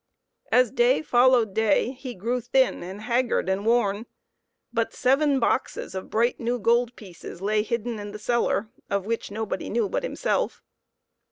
As day followed day he grew thin and haggard and worn, but seven boxes of bright new gold pieces lay hidden in the cellar, of which nobody knew but him self.